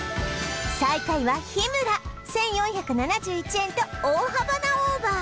最下位は日村１４７１円と大幅なオーバー